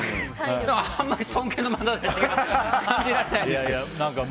あんまり尊敬のまなざしが感じられないんですけど。